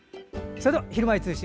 それでは、「ひるまえ通信」